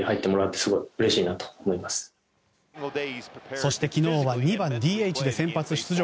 そして昨日は２番ＤＨで先発出場。